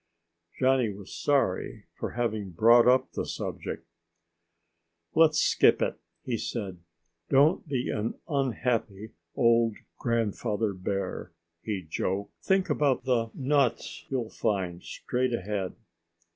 Johnny was sorry for having brought up the subject. "Let's skip it," he said. "Don't be an unhappy old grandfather bear," he joked. "Think about the nuts you'll find right ahead."